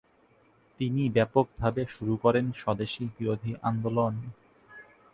তিনি ব্যাপকভাবে শুরু করেন স্বদেশী বিরোধী আন্দোলন।